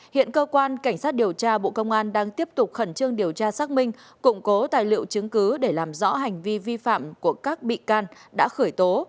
hiện cơ quan cảnh sát điều tra bộ công an đang tiếp tục khẩn trương điều tra xác minh cụng cố tài liệu chứng cứ để làm rõ hành vi vi phạm của các bị can đã khởi tố